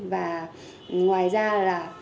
và ngoài ra là